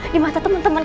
di mata temen temen